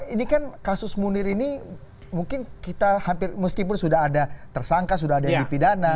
ini kan kasus munir ini mungkin kita hampir meskipun sudah ada tersangka sudah ada yang dipidana